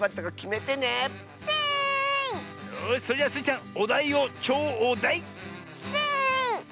よしそれじゃスイちゃんおだいをちょう「だい」。スイ！